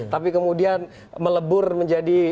tapi kemudian melebur menjadi